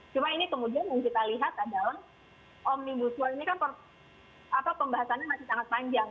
cuma ini kemudian yang kita lihat adalah omnibus law ini kan pembahasannya masih sangat panjang